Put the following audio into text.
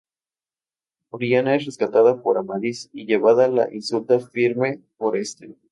Oriana es rescatada por Amadís y llevada a la Insula Firme por este.